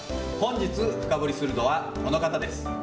本日深掘りするのは、この方です。